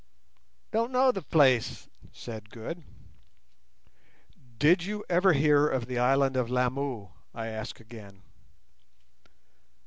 "Don't know the place," said Good. "Did you ever hear of the Island of Lamu?" I asked again.